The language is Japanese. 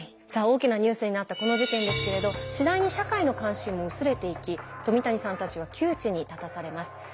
さあ大きなニュースになったこの事件ですけれど次第に社会の関心も薄れていき冨谷さんたちは窮地に立たされます。